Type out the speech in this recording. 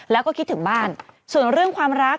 แล้วก็คิดถึงบ้านส่วนเรื่องความรัก